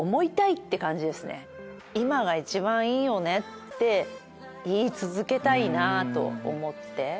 今が一番いいよねって言い続けたいなと思って。